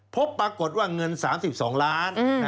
พบปรากฏว่าเงิน๓๒ล้าน